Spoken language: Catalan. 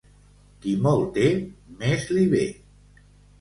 Qui molt té, més li ve.